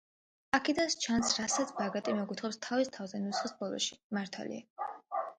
აქედან სჩანს, რასაც ბაგრატი მოგვითხრობს თავის თავზე ნუსხის ბოლოში, მართალია.